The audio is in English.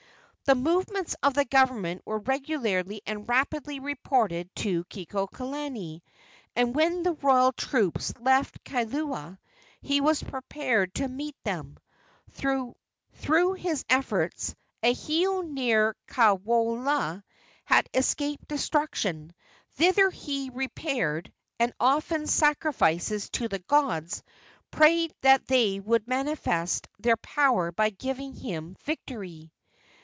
The movements of the government were regularly and rapidly reported to Kekuaokalani, and when the royal troops left Kailua he was prepared to meet them. Through his efforts a heiau near Kaawaloa had escaped destruction. Thither he repaired, and, offering sacrifices to the gods, prayed that they would manifest their power by giving him victory.